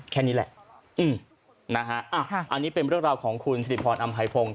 แค่นี้แหละอันนี้เป็นเรื่องราวของคุณสิริพรอัมภัยพงศ์